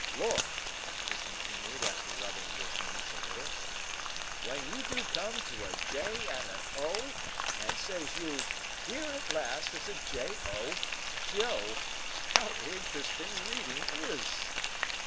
Lord!" he continued, after rubbing his knees a little, "when you do come to a J and a O, and says you, 'Here, at last, is a J O, Joe,' how interesting reading is!"